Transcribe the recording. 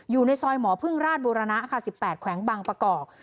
อยู่ในซอยหมอพึ่งราชบูรณะค่ะ๑๘แขวงบางประกอบ